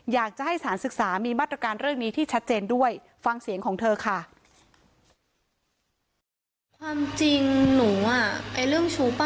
อยากจะให้สารศึกษามีมาตรการเรื่องนี้ที่ชัดเจนด้วยฟังเสียงของเธอค่ะ